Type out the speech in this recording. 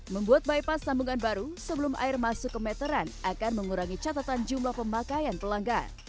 membuat bypass sambungan baru sebelum air masuk ke meteran akan mengurangi catatan jumlah pemakaian pelanggan